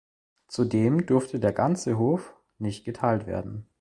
Zudem durfte der „ganze Hof“ nicht geteilt werden.